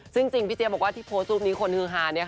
ซึ่งจริงพี่เจี๊ยบอกว่าที่โพสต์รูปนี้คนฮือฮา